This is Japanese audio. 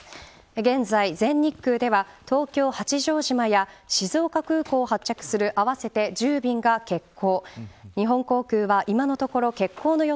現在、全日空では東京・八丈島や静岡空港を発着する合わせて１０便が欠航。